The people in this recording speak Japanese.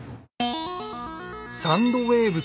サンドウェーブ。